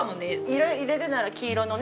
色入れるなら黄色のね